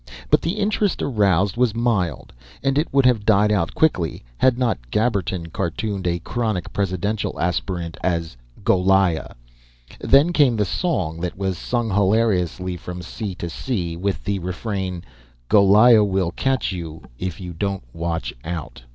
But the interest aroused was mild, and it would have died out quickly had not Gabberton cartooned a chronic presidential aspirant as "Goliah." Then came the song that was sung hilariously from sea to sea, with the refrain, "Goliah will catch you if you don't watch out."